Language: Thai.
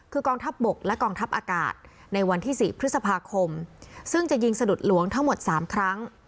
คือกองทัพบกและกองทัพอากาศในวันที่๔พฤษภาคมซึ่งจะยิงสะดุดหลวงทั้งหมด๓ครั้ง